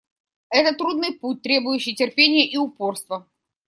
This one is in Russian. Это трудный путь, требующий терпения и упорства.